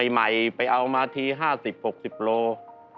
ใหม่ไปเอามาที๕๐๖๐โล